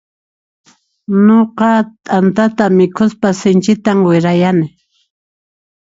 Nuqa t'antata mikhuspa sinchita wirayani.